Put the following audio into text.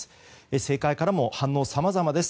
政界からも反応さまざまです。